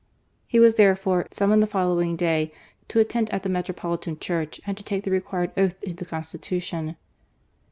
He was, therefore, summoned the following day to attend at the metropolitan church and to take the required oath to the Consti tution.